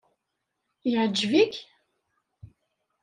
Yeɛjeb-ik?